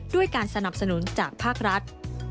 ด้วยการสนับสนุนจากภาครัฐ